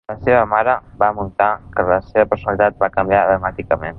La seva mare va notar que la seva personalitat va canviar dramàticament.